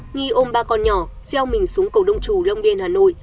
nhi ôm ba con nhỏ gieo mình xuống cầu đông trù long biên hà nội